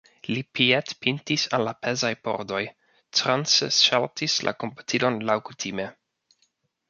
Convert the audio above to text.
Li piedpintis al la pezaj pordoj, transe ŝaltis la komputilon laŭkutime.